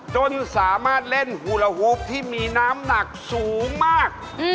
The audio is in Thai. จนสามารถเล่นฮูลาฮูปที่มีน้ำหนักสูงมาก